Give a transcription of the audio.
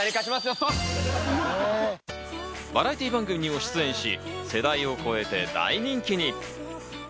バラエティー番組にも出演し、世代を超えて大人気に。